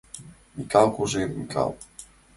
Микал, Кожер Микал.